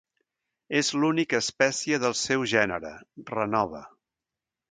És l'única espècie del seu gènere, Renova.